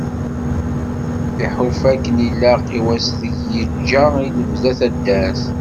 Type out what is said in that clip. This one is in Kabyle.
Iḥulfa akken ilaq i wass deg yeğğa i lebda taddart.